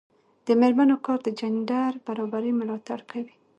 د میرمنو کار د جنډر برابري ملاتړ کوي.